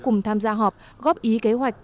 cùng tham gia họp góp ý kế hoạch